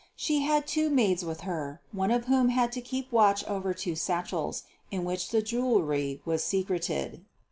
She had two maids with her, one of whom had to keep watch over two satchels in which the jewelry was secreted.